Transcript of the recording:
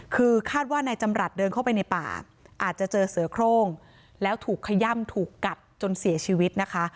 คือคาดว่านายจำรัฐเดินเข้าไปในป่าอาจจะเจอเสือโครงแล้วถูกขย่ำถูกกัดจนเสียชีวิตนะคะ